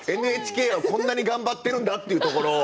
ＮＨＫはこんなに頑張ってるんだっていうところを。